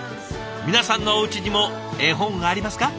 皆さんのおうちにも絵本ありますか？